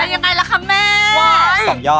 เฮ้ยได้ยังไงล่ะคะแม่ะว้ายยอด